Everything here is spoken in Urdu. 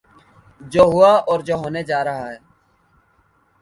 جو ہوا ہے اور جو ہونے جا رہا ہے۔